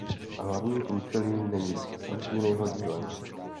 Hlavní průčelí není Santiniho dílem.